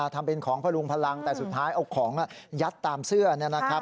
ทำเป็นของพลุงพลังแต่สุดท้ายเอาของยัดตามเสื้อนะครับ